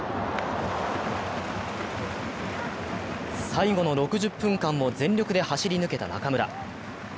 最後の６０分間を全力で走り抜けた中村。